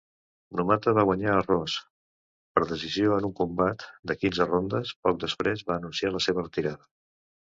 Numata va guanyar a Rose per decisió en un combat de quinze rondes; poc després va anunciar la seva retirada.